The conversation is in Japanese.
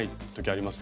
あります？